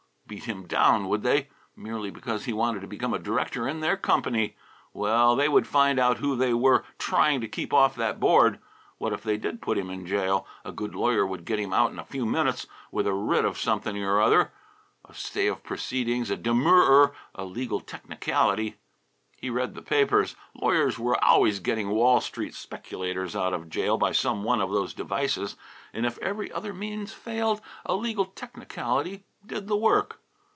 Beat him down, would they? Merely because he wanted to become a director in their company! Well, they would find out who they were trying to keep off that Board. What if they did put him in jail? A good lawyer would get him out in a few minutes with a writ of something or other, a stay of proceedings, a demurrer, a legal technicality. He read the papers. Lawyers were always getting Wall Street speculators out of jail by some one of those devices; and if every other means failed a legal technicality did the work.